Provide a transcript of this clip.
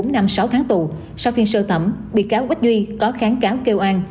bốn năng sáu tán tù sau phiên sơ thẩm bị cáo quách duy có kháng cáo kêu an